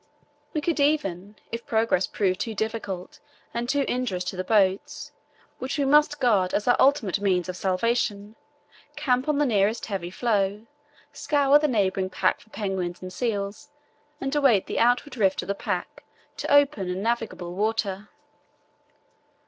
We could even, if progress proved too difficult and too injurious to the boats, which we must guard as our ultimate means of salvation, camp on the nearest heavy floe, scour the neighbouring pack for penguins and seals, and await the outward rift of the pack, to open and navigable water.